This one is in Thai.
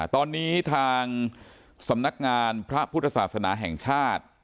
ตอนนี้ทางสำนักงานพระพุทธศาสนาแห่งชาติ